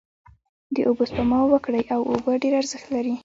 داوبوسپما وکړی او اوبه ډیر ارښت لری